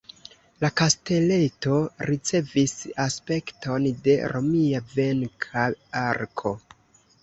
La kasteleto ricevis aspekton de romia venka arko.